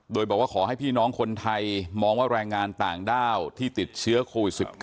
โดยบอกว่าขอให้พี่น้องคนไทยมองว่าแรงงานต่างด้าวที่ติดเชื้อโควิด๑๙